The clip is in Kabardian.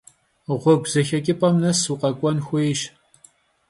Ğuegu zexeç'ıp'em nes vuk'uen xuêyş.